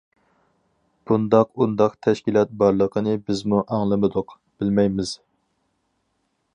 بۇنداق، ئۇنداق تەشكىلات بارلىقىنى بىزمۇ ئاڭلىمىدۇق، بىلمەيمىز.